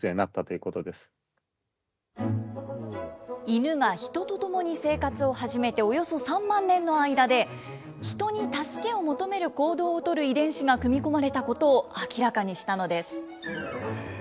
イヌがヒトと共に生活を始めておよそ３万年の間で、ヒトに助けを求める行動を取る遺伝子が組み込まれたことを明らかにしたのです。